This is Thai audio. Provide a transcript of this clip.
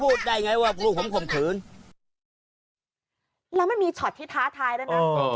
ผู้ชายก็บอกไปเสียค่ารถล็อก